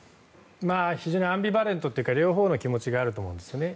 非常にアンビバレントというか両方の気持ちがあると思うんですね。